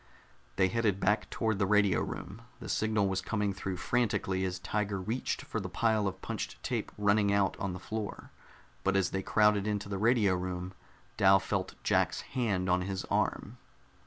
They headed back toward the radio room. The signal was coming through frantically as Tiger reached for the pile of punched tape running out on the floor. But as they crowded into the radio room, Dal felt Jack's hand on his arm.